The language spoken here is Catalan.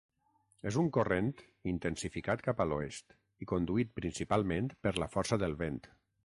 És un corrent intensificat cap a l'oest i conduït principalment per la força del vent.